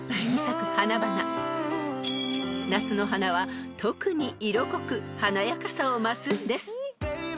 ［夏の花は特に色濃く華やかさを増すんです］